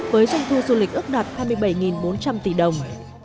với doanh thu du lịch ước đạt hai mươi bảy bốn trăm linh tỷ đồng